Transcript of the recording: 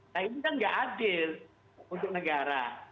nah ini kan nggak adil untuk negara